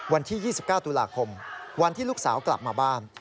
วันที่๒๙ตุลาคมวันที่ลูกสาวกลับมาบ้าน